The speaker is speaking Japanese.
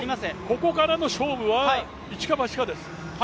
ここからの勝負は一か八かです。